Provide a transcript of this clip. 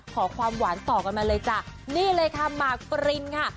ขอความหวานต่อกันมาเลยจ้ะนี่เลยค่ะหมากปรินค่ะ